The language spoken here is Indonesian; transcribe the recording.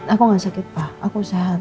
aku gak sakit pak aku usaha